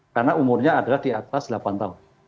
karena umurnya adalah di atas delapan tahun